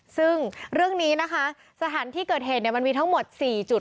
ซึ่งเรื่อนี้นะคะสถานที่เกิดเหตุเนี่ยเป็นทั้งหมดสี่จุด